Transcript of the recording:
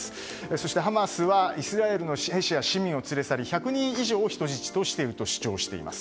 そしてハマスはイスラエルの兵士や市民を連れ去り１００人以上を人質としていると主張しています。